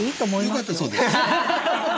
よかったそうです。